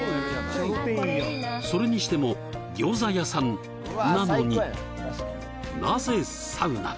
それにしても餃子屋さんなのになぜサウナが？